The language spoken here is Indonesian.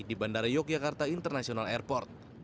di bandara yogyakarta international airport